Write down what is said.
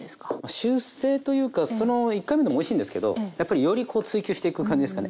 修正というかその１回目のもおいしいんですけどやっぱりよりこう追求していく感じですかね。